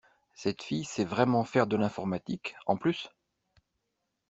Cette fille sait vraiment faire de l’informatique, en plus?